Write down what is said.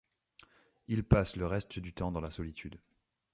Ils passent le reste du temps dans la solitude.